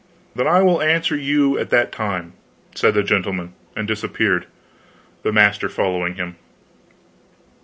"Then I will answer you at that time," said the gentleman, and disappeared, the master following him.